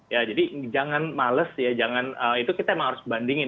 ya jadi jangan males ya jangan itu kita emang harus bandingin